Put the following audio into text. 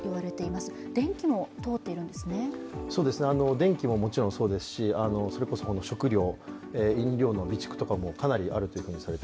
電気ももちろんそうですし食料、飲料の備蓄とかもかなりあるということです。